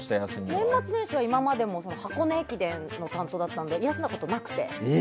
年末年始は今までも箱根駅伝の担当だったので休んだことなくて。